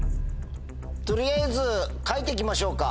取りあえず書いて行きましょうか。